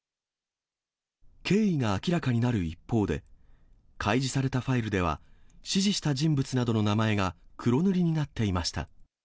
経緯が明らかになる一方で、開示されたファイルでは、指示した人物などの名前が黒塗りになっていました。